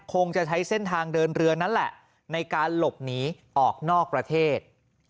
คงจะใช้เส้นทางเดินเรือนั้นแหละในการหลบหนีออกนอกประเทศ